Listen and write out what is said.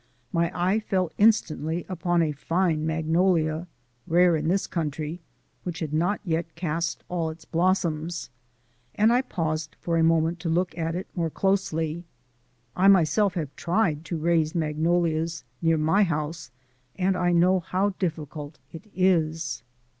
My eye fell instantly upon a fine magnolia rare in this country which had not yet cast all its blossoms, and I paused for a moment to look at it more closely. I myself have tried to raise magnolias near my house, and I know how difficult it is.